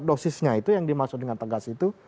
dosisnya itu yang dimaksud dengan tegas itu